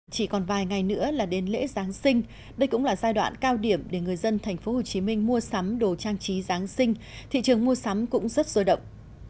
chỉ còn vài ngày nữa là đến lễ giáng sinh đây cũng là giai đoạn cao điểm để người dân tp hcm mua sắm đồ trang trí giáng sinh thị trường mua sắm cũng rất sôi động